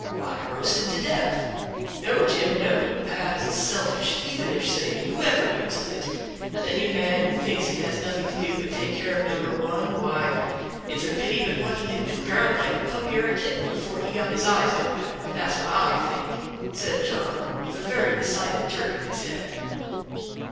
why, roasted to death! No, Jim, no! that is a selfish, heathenish saying, whoever uses it; and any man who thinks he has nothing to do but take care of number one, why, it's a pity but what he had been drowned like a puppy or a kitten, before he got his eyes open; that's what I think," said John, with a very decided jerk of his head.